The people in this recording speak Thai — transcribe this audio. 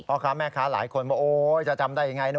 พ่อค้าแม่ค้าหลายคนปว่าเย้จะจำได้อย่างไรนะ